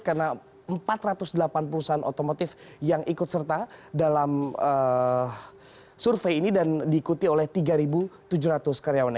karena empat ratus delapan puluh perusahaan otomotif yang ikut serta dalam survei ini dan diikuti oleh tiga tujuh ratus karyawan